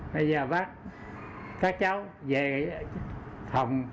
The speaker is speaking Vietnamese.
bây giờ bác các cháu về phòng